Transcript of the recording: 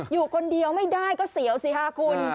อยู่คนเดียวไม่ได้ก็เสียวสิค่ะคุณ